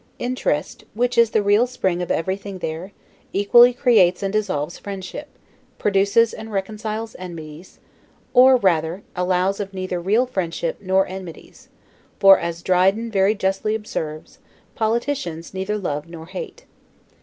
Interest, which is the real spring of everything there, equally creates and dissolves friendship, produces and reconciles enmities: or, rather, allows of neither real friendships nor enmities; for, as Dryden very justly observes, POLITICIANS NEITHER LOVE NOR HATE.